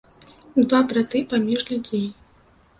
Два браты паміж людзей.